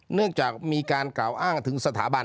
เนื่องจากมีการกล่าวอ้างถึงสถาบัน